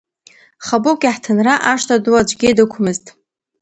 Хабыгә иаҳҭынра ашҭа ду аӡәгьы дықәмызт.